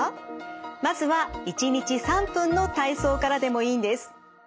まずは１日３分の体操からでもいいんです。